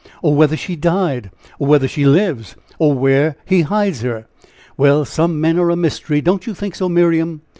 or whether she died or whether she lives? or where he hides her? Well, some men are a mystery don't you think so, Miriam?"